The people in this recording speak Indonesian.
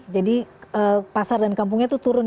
pasar dan kampungnya itu turun